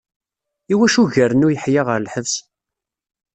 Iwacu gren Uyeḥya ɣer lḥebs?